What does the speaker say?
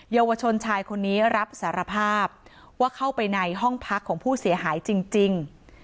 เยาวชนชายคนนี้รับสารภาพว่าเข้าไปในห้องพักของผู้เสียหายจริง